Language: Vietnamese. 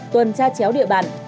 tuần tra chéo địa bàn